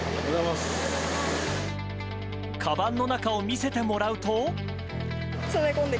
かばんの中を見せてもらうと。